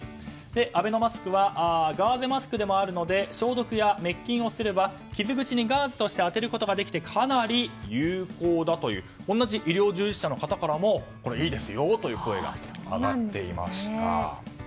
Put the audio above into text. アベノマスクはガーゼマスクでもあるので消毒や滅菌をすれば傷口にガーゼとして当てることができてかなり有効だというこんな医療従事者の方からもいいですよという声が上がっていました。